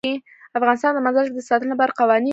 افغانستان د مزارشریف د ساتنې لپاره قوانین لري.